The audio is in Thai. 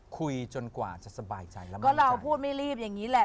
คุยจนกว่าจะสบายใจแล้วไม่รีบก็เราพูดไม่รีบอย่างนี้แหละ